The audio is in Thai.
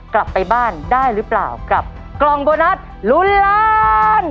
กลับไปบ้านได้หรือเปล่ากับกล่องโบนัสลุ้นล้าน